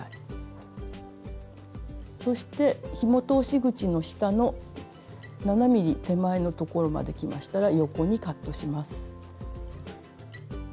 そしてひも通し口の下の７ｍｍ手前の所まできましたら横にカットします。